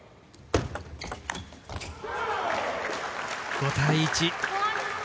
５対１。